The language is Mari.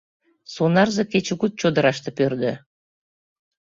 Сонарзе кечыгут чодыраште пӧрдӧ.